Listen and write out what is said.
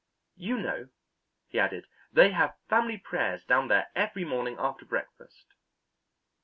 You know," he added, "they have family prayers down there every morning after breakfast."